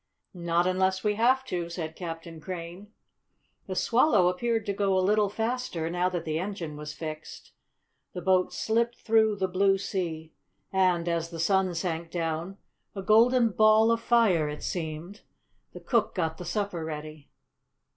"Not unless we have to," said Captain Crane. The Swallow appeared to go a little faster, now that the engine was fixed. The boat slipped through the blue sea, and, as the sun sank down, a golden ball of fire it seemed, the cook got the supper ready.